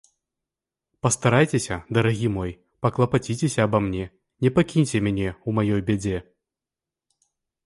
Пастарайцеся, дарагі мой, паклапаціцеся аба мне, не пакіньце мяне ў маёй бядзе.